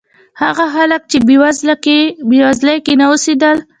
هغه خلک چې بېوزلۍ کې نه اوسېدل.